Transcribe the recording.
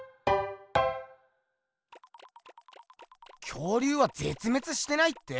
恐竜はぜつめつしてないって？